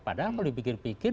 padahal kalau dipikir pikir